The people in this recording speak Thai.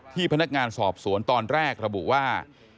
พนักงานสอบสวนตอนแรกระบุว่า